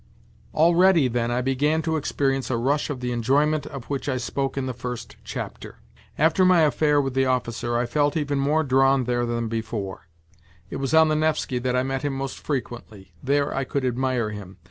Already then I began to experience a rush of the enjoyment of which I spoke in the first chapter. After my affair with the officer I felt even more drawn there than before : it was on the Nevsky that I met him most frequently, there I could admire him.